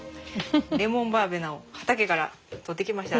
レモンバーベナを畑から取ってきました。